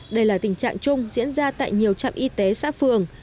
đây là tình trạng chung diễn ra tại nhiều trạm y tế xã phường